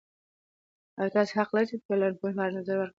ایا تاسې حق لرئ چې د ټولنپوهنې په اړه نظر ورکړئ؟